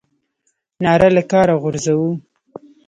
ناره له کاره غورځوو.